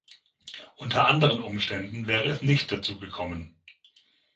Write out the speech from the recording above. Unter anderen Umständen wäre es nicht dazu gekommen.